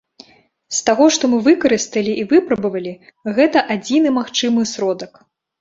З таго, што мы выкарысталі і выпрабавалі, гэта адзіны магчымы сродак.